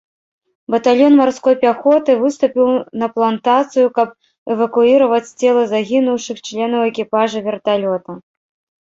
Батальён марской пяхоты выступіў на плантацыю, каб эвакуіраваць целы загінуўшых членаў экіпажа верталёта.